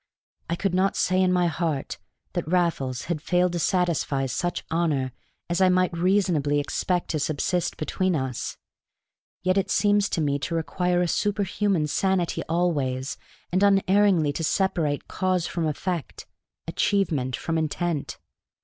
I could not say in my heart that Raffles had failed to satisfy such honor as I might reasonably expect to subsist between us. Yet it seems to me to require a superhuman sanity always and unerringly to separate cause from effect, achievement from intent.